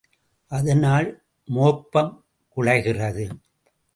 அதனால் மோப்பக் குழைகிறது.